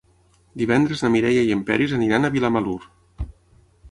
Divendres na Mireia i en Peris aniran a Vilamalur.